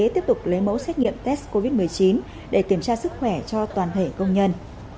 tiếp tục lấy mẫu xét nghiệm test covid một mươi chín để kiểm tra sức khỏe cho toàn thể công nhân